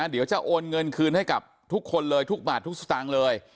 เดี๋ยวจะโอนเงินคืนให้กับทุกคนเลยทุกบาททุกสตางค์เลย